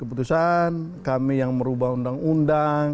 artinya yang harus diundang adalah